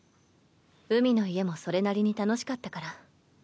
海の家もそれなりに楽しかったから。